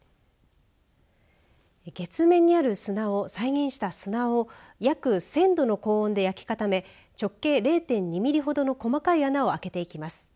月面にある砂を再現した砂を約１０００度の高温で焼き固め直径０．２ミリほどの細かい穴をあけていきます。